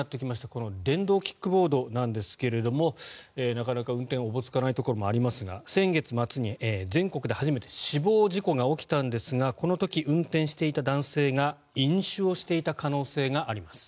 この電動キックボードなんですがなかなか運転おぼつかないところもありますが先月末に全国で初めて死亡事故が起きたんですがこの時、運転していた男性が飲酒をしていた可能性があります。